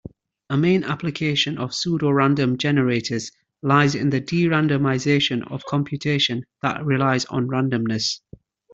A main application of pseudorandom generators lies in the de-randomization of computation that relies on randomness.